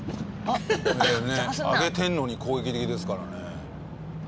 あげてるのに攻撃的ですからね。